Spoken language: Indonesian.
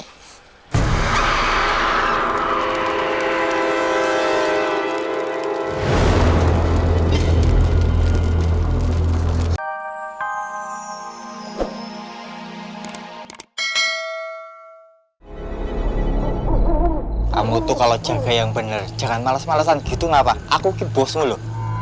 kamu tuh kalau jaga yang bener jangan males malesan gitu ngapa aku bos lu